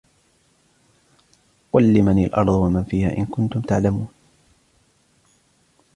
قُلْ لِمَنِ الْأَرْضُ وَمَنْ فِيهَا إِنْ كُنْتُمْ تَعْلَمُونَ